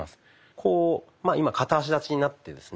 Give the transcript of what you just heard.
こう今片足立ちになってですね